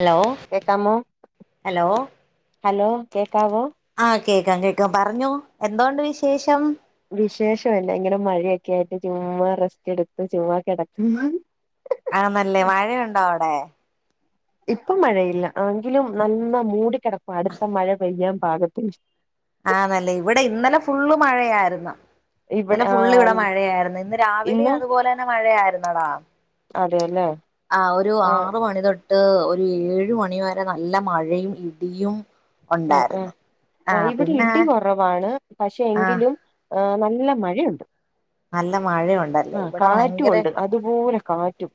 Hello കേക്കാമോ hello hello കേക്കാവോ ആഹ് കേക്കാം കേക്കാം പറഞ്ഞോ എന്തോ ഉണ്ട് വിശേഷം വിശേഷം അല്ല ഇങ്ങനെ മഴയൊക്കെ ആയിട്ട് ചുമ്മാ റെസ്റ്റ് എടുത്ത് ചുമ്മാ കിടക്കുന്ന് ആന്നല്ലേ മഴയുണ്ടോ അവിടെ ഇപ്പൊ മഴയില്ല എങ്കിലും നല്ല മൂടി കിടപ്പാ അടുത്ത മഴ പെയ്യാൻ പാകത്തിന് ആന്നല്ലേ ഇവിടെ ഇന്നലെ ഫുള്ള് മഴയായിരുന്ന് ഇന്നലെ ഇവിടെ ആ ഫുള്ള് ഇവിടെ മഴയായിരുന്ന് ഇന്ന് ഇന്ന് രാവിലെയും അതുപോലെ തന്നെ മഴയായിരുന്നടാ അതെല്ലേ ആഹ് ഒരു ആ ആറ് മണി തൊട്ട് ട്ട് ഒരു ഏഴ് മണി വരെ നല്ല മഴയും ഇടിയും ആ ആ ഉണ്ടായിരുന്നു ആ, ആഹ് ഇവിടെ പിന്നെ ഇടി കുറവാണ് പക്ഷെ ആഹ് എങ്കിലും നല്ല മഴയുണ്ട് നല്ല മഴയാ ണ്ടല്ലേ ആ ഇവിടെ ഭയങ്കര കാറ്റുമുണ്ട് അതുപോലെ കാറ്റും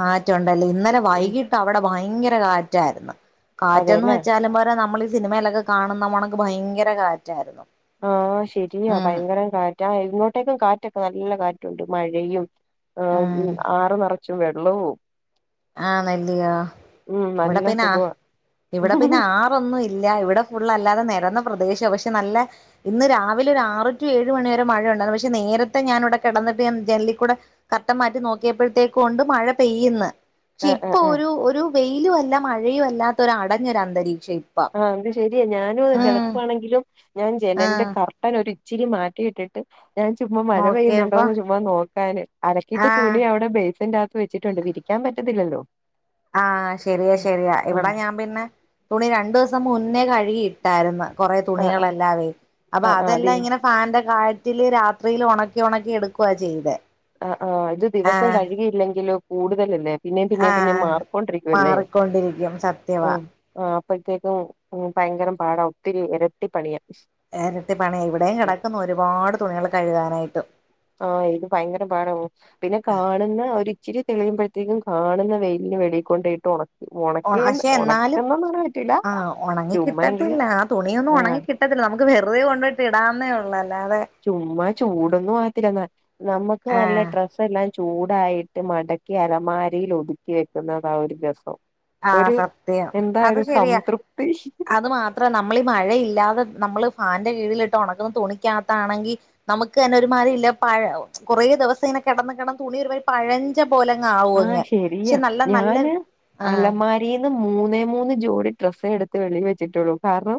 കാറ്റുണ്ടല്ലേ ഇന്നലെ ഉം വൈകിട്ട് അവിടെ ഭയങ്കര കാറ്റായിരുന്നു കാറ്റന്ന് അതെല്ലേ വെച്ചാലും പോരാ നമ്മള് സിനിമയിലൊക്കെ കാണുന്നമണക്ക് ഭയങ്കര കാറ്റായിരുന്നു ആഹ് ശരിയാ ഉം ഭയങ്കരം കാറ്റ ആ ഇങ്ങോട്ടേക്കും കാറ്റൊക്കെ നല്ല കാറ്റുണ്ട് മഴയും ഉം ആഹ് ആറ് നിറച്ചും വെള്ളവും ആഹ് നെല്ലിയ ഉം ഇവിടെ നല്ല പിന്നെ സുഖവാ ഇവിടെ പിന്നെ ആ ന്നും ഇല്ല ഇവിടെ ഫുള്ള് അല്ലാതെ നിരന്ന പ്രദേശം പക്ഷെ നല്ല ഇന്ന് രാവിലെ ഒരു ആറ് ടു ഏഴ് മണി വരെ മഴയ ഉണ്ടായിരുന്നു പക്ഷെ നേരത്തെ ഞാൻ ഇവിടെ കിടന്നിട്ട് ജനാല്ലിക്കൂടെ കർട്ടൻ മാറ്റി നോക്കിയപ്പോഴത്തേക്ക് കൊണ്ട് മഴ പെയ്യുന്നു പക്ഷെ ആഹ് ആഹ് ഇപ്പൊ ആഹ് ഒരു ഒരു വെയിലും അല്ല മഴയയും അല്ലാത്തൊരു അടഞ്ഞൊര അന്തരീക്ഷം ഇ ആഹ് അത് ശരിയ ഞാനും കിടക്കുവാണെങ്കിലും ഞാൻ ജനലിന്റെ ആഹ് കാർ ഇച്ചിരി മാറ്റിയിട്ടിട്ട് ഞാൻ ചുമ്മാ മഴ നോക്കിയപ്പോ പെയ്യുന്നുണ്ടോന്ന് ചുമ്മ നോക്കാന് അലാക്കിയിട്ട് ആഹ് തുണി അവിടെ ബേസിന്റെ വച്ചിട്ടണ്ട് വിരിക്കാൻ പറ്റത്തില്ലല്ലോ ആഹ് ശെരിയ ശരിയാ ഇവിടെ ആഹ് ഞാൻ പിന്നെ തുണി രണ്ടു ദിവസം മുന്നേ കഴുകി കട്ടായിരുന്നു കൊറേ ആഹ് ആഹ് തുണികളെല്ലാവേ അപ്പൊ ആഹ് ആഹ് അത് അതെല്ലാം ഇങ്ങനെ ഫാന്റെ കാറ്റില് രാത്രിയിൽ ഉണക്കി ഉണക്കി എടുക്കുക ചെയ്ത ആഹ് ആഹ് ഇത് ദിവസം കഴുകിയില്ലെങ്കിലോ കൂടുതലല്ലേ പിന്നേം പിന്നേം പിന്നേം ആഹ് മാറിക്കോണ്ടിരിക്കുവല്ലേ മാറിക്കൊണ്ടിരിക്കും ആ സത്യവാ ആ അപ്പഴത്തേക്കും ഭയങ്കരം പാടാ ഒത്തിരി എരട്ടിപ്പണിയാ എരട്ടി പണി ഇവിടെയും കെടക്കുന്നു ഒരുപാട് തുണികള് കഴുകാനായിട്ട് ആ ഇത് ഭയങ്കര പാടാ ഓ പിന്നെ കാണുന്ന ഒരിച്ചിരി തെളിയുമ്പഴത്തേക്കും കാണുന്ന വെയിലിന് വെളി കൊണ്ടയിട്ട് ഒണ പക്ഷെ എന്നാലും പറ്റൂല ആ ഒണങ്ങി ചുമ്മായെങ്കിലും കിട്ടത്തില്ല ആ തുണിയൊന്നും ആഹ് ഒണങ്ങി കി ത്തില്ല നമുക്ക് വെർതെ കൊണ്ടയ്ട്ട് ഇടാന്നേ ഒള്ളൂ അല്ലാതെ ചുമ്മാ ചൂടൊന്നും മാറത്തില്ല എന്നാ നമുക്ക് നല്ല ആഹ് ഡ്ര എല്ലാം ചൂടായിട്ട് മടക്കി അലമാരയില് ഒതുക്കി വെക്കുന്നത ഒരു രസം ആ ഒരു സത്യം എന്താ അത് ഒരു ശരിയാ സംതൃപ്തി അത് മാ ത്ര നമ്മളി മഴയില്ലാതെ നമ്മള് ഫാന്റെ കീഴിലിട്ട് ഒണക്കുന്നു തുണിക്കകത്താണെങ്കി നമുക്കന്നെ ഒരുമാതിരി ഇല്ല പഴ കൊറേ ദിവസം ഇങ്ങനെ കെടന്ന് കെടന്ന് തുണി ഒരു പഴഞ്ച പോലങ്ങ് ആവുങ്ങ് പക്ഷെ നല്ല നല്ല ആഹ് അലമാരിന്ന് മൂന്നേ മൂന്ന് ജോടി ഡ്രസ്സേ എടുത്ത് വെളി വെച്ചിട്ടള്ളൂ കാരണം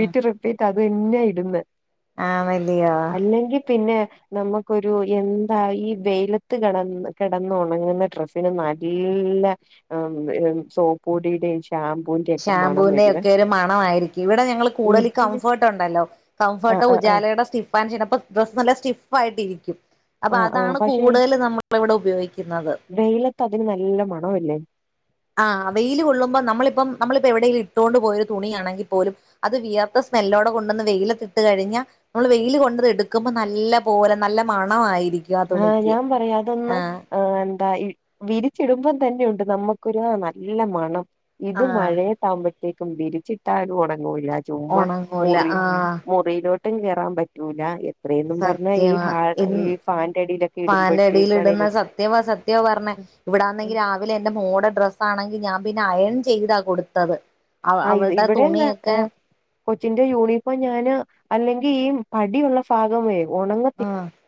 ആഹ് റിപ്പീറ്റ് അത് തന്നെ ഇടുന്നെ ആണല്ലിയോ അല്ലെങ്കി പിന്നെ നമുക്കൊരു എന്താ ഈ വെയിലത്ത് കെടന്ന് കെടന്ന് ഒണങ്ങുന്ന ഡ്രസ്സിന് നല്ല സോപ്പ് പൊടിയുടെ ഷാമ്പൂൻ്റെ ഷാമ്പൂവിന്റെ ഒക്കെ ഒരു മണ ആയിരിക്കും ഇവടെ ഞങ്ങള് കൂടുതല് ഇതിന് കംഫേർട്ട് ഉണ്ടല്ലോ ആഹ് കംഫെർട്ട് ആഹ് ആഹ് ഉജാലയുടെ സ്റ്റിഫാൻ ചെയ്തപ്പ ഡ്രസ്സ് നല്ല സ്റ്റിഫ് ആയിട്ടിരിക്കും അപ്പ ആഹ് ആഹ് അതാണ് പക്ഷെ കൂടുതല് നമ്മള് ഇവടെ ഉപയോഗിക്കുന്നത് വെയിലത്ത് അതിന് നല്ല മണവല്ലേ ആ വെയില് കൊള്ളുമ്പം നമ്മളിപ്പം നമ്മളിപ്പ എവിടെലും ഇട്ടൊണ്ട് പോയൊരു തുണിയാണെങ്കിൽ പോലും അത് വിയർത്ത സ്മെല്ലോട് കൊണ്ടന്ന് വെയിലത്തിട്ട് കഴിഞ്ഞ നമ്മള് വെയില് കൊണ്ടത് എടുക്കുമ്പം നല്ല പോലെ നല്ല മണ ആയിരി ആ ഞാൻ പറയാ അതൊന്ന് ആ എന്താ വിരിച്ചിടുമ്പം തന്നെണ്ട് നമ്മുക്കൊരു നല്ല മണം ഇത് ആഹ് മഴയെത്താവുമ്പഴത്തേക്കും വിരിച്ചിട്ടാലും ഒണങ്ങൂല ചുമ്മാ ഒണങ്ങൂല മുറി ആഹ് മു റിയിലോട്ടും കേറാം പറ്റൂല. എത്രയന്നും പർഞ്ഞാ ഈ സത്യവാ ഹാ ഇന്ന് ഈ ഫാന്റെ അടിയിലൊക്കെ ഫാന്റെ അടിയിലിടുന്ന ഇടുമ്പഴത്തേക്കാണെല് സത്യവാ സത്യാ പർഞ്ഞെ ഇവടാന്നെങ്കി രാവിലെ എന്റെ മോടെ ഡ്രസ്സാണെങ്കി ഞാൻ പിന്നെ അയൺ ചെയ്താ കൊടുത്തത്. അവ ആഹ് ഇത് അവൾടെ ഇവിടെ ആ, തുണിയെക്കെ കൊച്ചിന്റെ യൂണിഫോം ഞാന് അല്ലെങ്കി ഈ പടിയുള്ള ഫാഗമേ ഒണങ്ങ ആ